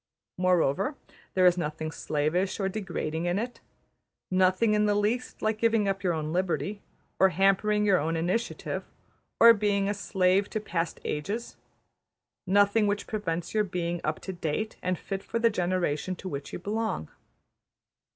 Moreover, there is nothing slavish or degrading in it; nothing in the least like giving up your own liberty, or hampering your own initiative, or being a slave to past ages; nothing which prevents your being up to date and fit for the generation to which you belong.